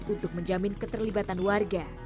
untuk menjamin keterlibatan warga